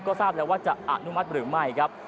ก็ทราบแล้วว่าจะอนุมัติหรือไม่ครับ